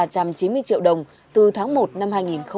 ba trăm chín mươi triệu đồng từ tháng một năm hai nghìn một mươi hai